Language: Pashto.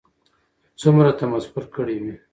څومره تمسخر كړى وي